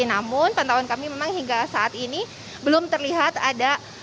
namun pantauan kami memang hingga saat ini belum terlihat ada